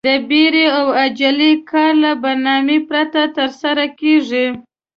د بيړې او عجلې کار له برنامې پرته ترسره کېږي.